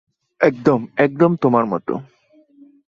একদম, একদম তোমার মতো।